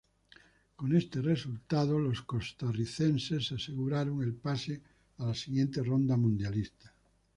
Con este resultado, los costarricenses aseguraron el pase a la siguiente ronda mundialista.